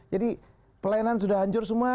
pelayanan sudah hancur semua